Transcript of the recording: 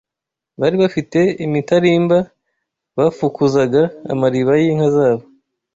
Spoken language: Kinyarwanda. Bari bafite imitarimba bafukuzaga amariba y’inka zabo